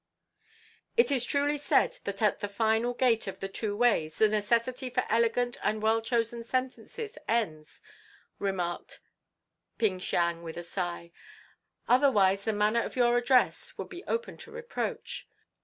"It is truly said that at the Final Gate of the Two Ways the necessity for elegant and well chosen sentences ends," remarked Ping Siang with a sigh, "otherwise the manner of your address would be open to reproach.